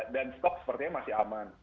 dan stok sepertinya masih aman